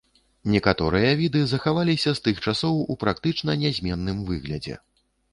Некаторыя віды захаваліся з тых часоў у практычна нязменным выглядзе.